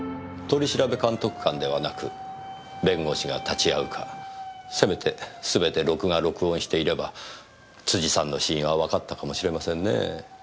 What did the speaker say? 取調監督官ではなく弁護士が立ち会うかせめてすべて録画録音していれば辻さんの死因はわかったかもしれませんねぇ。